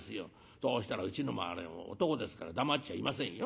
そうしたらうちのもあれ男ですから黙っちゃいませんよ。